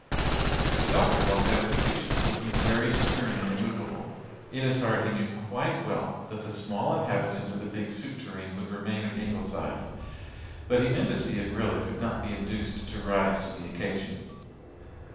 The doctor walked out of the kitchen, looking very stern and immovable. In his heart he knew quite well that the small inhabitant of the big soup tureen would remain at Ingleside, but he meant to see if Rilla could not be induced to rise to the occasion.